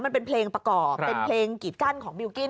มันเป็นเพลงประกอบเป็นเพลงกีดกั้นของบิลกิ้น